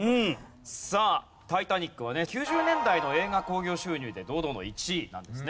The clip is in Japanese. さあ『タイタニック』はね９０年代の映画興行収入で堂々の１位なんですね。